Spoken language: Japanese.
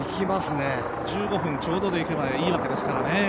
１５分ちょうどでいけばいいわけですからね。